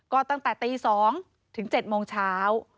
ก็ตั้งแต่ตี๒ถึง๗โมงเช้า